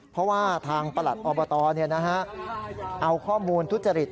เพราะว่าทางประหลัดอบตเอาข้อมูลทุจริต